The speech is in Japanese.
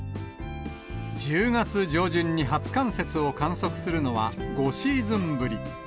１０月上旬に初冠雪を観測するのは５シーズンぶり。